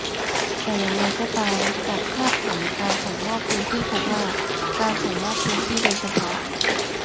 แต่อย่างไรก็ตาม จากภาพผังการส่งมอบพื้นที่พบว่า การส่งมอบพื้นที่โดยเฉพาะ